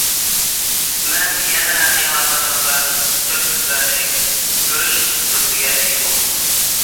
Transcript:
مەن يەنە ئىھاتە قىلىنغان چۆپلۈكلەرنى كۆرۈش پۇرسىتىگە ئىگە بولدۇم.